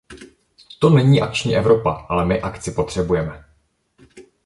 To není akční Evropa, ale my akci potřebujeme.